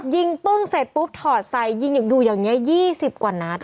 ปึ้งเสร็จปุ๊บถอดใส่ยิงดูอย่างนี้๒๐กว่านัด